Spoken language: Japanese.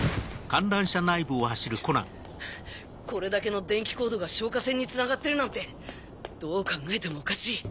これだけの電気コードが消火栓につながってるなんてどう考えてもおかしい